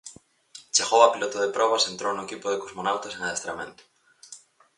Chegou a piloto de probas e entrou no equipo de cosmonautas en adestramento.